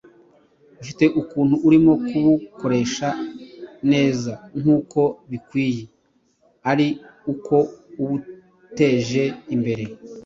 ufite ukuntu urimo kubukoresha neza nkuko bikwiriye ari uko ubuteje imbere,